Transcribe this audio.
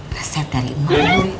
reset dari mali